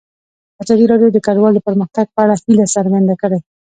ازادي راډیو د کډوال د پرمختګ په اړه هیله څرګنده کړې.